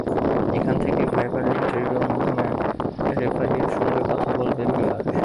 এখান থেকেই fibre linked radio ব্যবস্থার মাধ্যমে রেফারির সঙ্গে কথা বলবে ভিএআর।